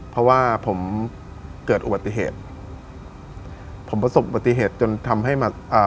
เพราะว่าผมเกิดอุบัติเหตุผมประสบปฏิเหตุจนทำให้มาอ่า